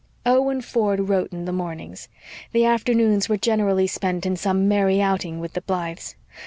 Owen Ford wrote in the mornings. The afternoons were generally spent in some merry outing with the Blythes.